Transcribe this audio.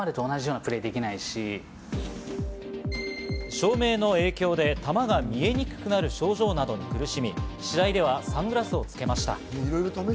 照明の影響で球が見えにくくなる症状などに苦しみ、試合ではサングラスをつけました。